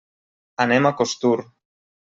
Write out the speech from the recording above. Anem a Costur.